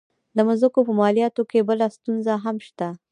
د مځکو په مالیاتو کې بله ستونزه هم شته.